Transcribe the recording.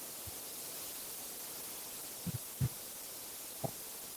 তিনি অনেকগুলো সরকারি সংস্থার পরামর্শক হিসেবে কাজ করেছেন।